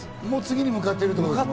もう次に向かっている。